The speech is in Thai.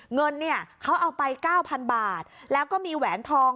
เงินเนี่ยเขาเอาไป๙๐๐บาทแล้วก็มีแหวนทอง